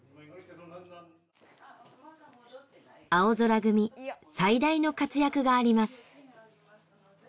あおぞら組最大の活躍があります。